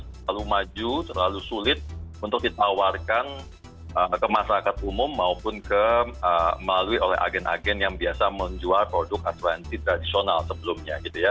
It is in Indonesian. terlalu maju terlalu sulit untuk ditawarkan ke masyarakat umum maupun melalui oleh agen agen yang biasa menjual produk asuransi tradisional sebelumnya gitu ya